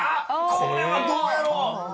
これはどうやろ。